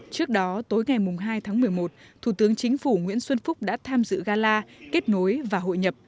trước đó tối ngày hai tháng một mươi một thủ tướng chính phủ nguyễn xuân phúc đã tham dự gala kết nối và hội nhập